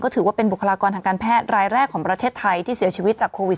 ถือว่าเป็นบุคลากรทางการแพทย์รายแรกของประเทศไทยที่เสียชีวิตจากโควิด